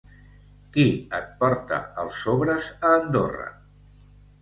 Qui et porta els sobres a Andorra?